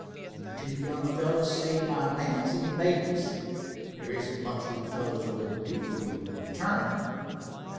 You two young fellows saved my Nance and the babies. There isn't much we fellows wouldn't do for you in return."